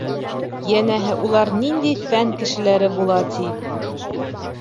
Йәнәһе, улар ниндәй фән кешеләре була, ти!